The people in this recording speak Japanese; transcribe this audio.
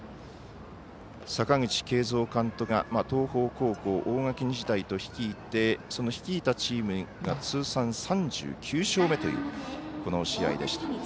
阪口慶三監督が東邦高校、大垣日大と率いてその率いたチームが通算３９勝目というこの試合でした。